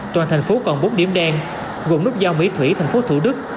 toàn thành phố còn bốn điểm đen gồm núp giao mỹ thủy tp thủ đức